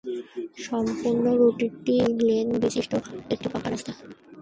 সম্পূর্ণ রুটটি দুই লেন বিশিষ্ট একটি পাকা রাস্তা।